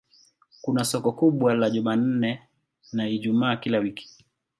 Kuna soko kubwa la Jumanne na Ijumaa kila wiki.